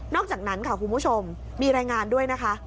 อกจากนั้นค่ะคุณผู้ชมมีรายงานด้วยนะคะ